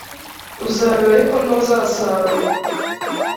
uzabiba ariko ntuzasarura